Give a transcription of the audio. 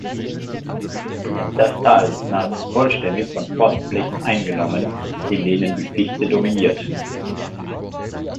Das Tal ist nahezu vollständig von Forstflächen eingenommen, in denen die Fichte dominiert.